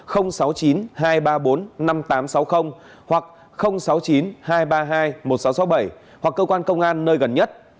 sáu mươi chín hai trăm ba mươi bốn năm nghìn tám trăm sáu mươi hoặc sáu mươi chín hai trăm ba mươi hai một nghìn sáu trăm sáu mươi bảy hoặc cơ quan công an nơi gần nhất